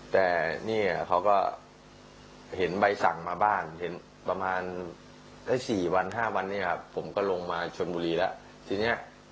แต่นี่เขาก็เห็นใบสั่งมาบ้างประมาณ๔๕วันผมก็ลงมาชนบุรีแล้ว